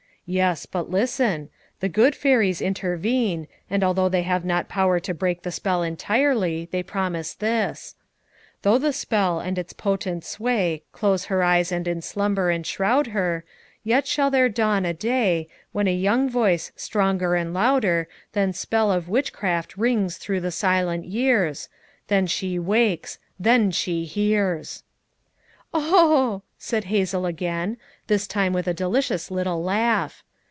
"Yes, but listen: The good fairies inter vene and although they have not power to break the spell entirely they promise this :" 'Though the spell and its potent sway Close her eyes and in slumber enshroud her; Yet shall there dawn a day "When a young voice stronger and louder Than spell of witchcraft rings through the silent years — Then she wakes! Then she hears!' " "Oh!" said Hazel again, this time with a delicious little laugh.